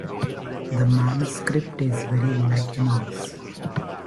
The manuscript is very lacunose.